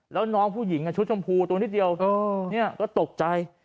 แล้วน้องผู้หญิงชุดชมพูตัวนิดเดียวก็ตกใจ